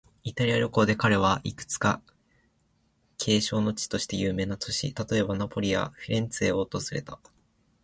イタリア旅行で彼は、いくつか景勝の地として有名な都市、例えば、ナポリやフィレンツェを訪れた。